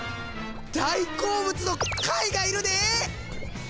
大好物の貝がいるで！